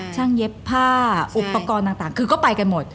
เย็บผ้าอุปกรณ์ต่างคือก็ไปกันหมด